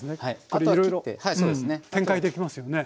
これいろいろ展開できますよね。